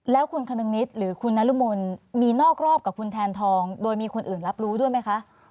แล้วคุณคนึงนิดหรือคุณนรมนมีนอกรอบกับคุณแทนทองโดยมีคนอื่นรับรู้ด้วยไหมคะ